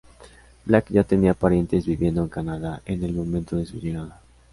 Black ya tenía parientes viviendo en Canadá en el momento de su llegada.